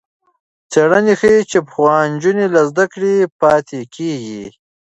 څېړنه ښيي چې نجونې له زده کړې پاتې کېږي.